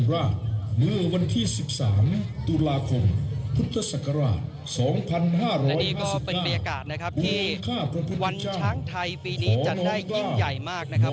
และนี่ก็เป็นบรรยากาศนะครับที่วันช้างไทยปีนี้จัดได้ยิ่งใหญ่มากนะครับ